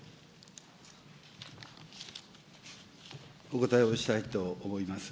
お答えをしたいと思います。